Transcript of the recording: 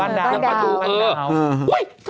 มันเหมือนอ่ะ